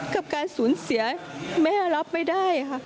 กับการสูญเสียแม่รับไม่ได้ค่ะ